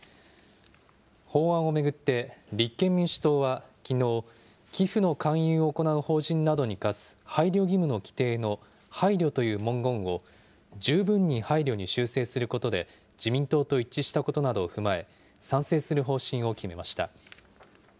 法案を巡って、立憲民主党はきのう、寄付の勧誘を行う法人などに課す配慮義務の規定の配慮という文言を十分に配慮に修正することで、自民党と一致したことなどを踏まえ、賛成する方針を決めました。